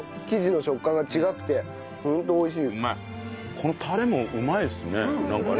このタレもうまいっすねなんかね。